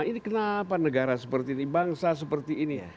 ini kenapa negara seperti ini bangsa seperti ini